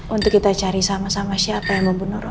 untuk kita cari sama sama siapa yang membunuh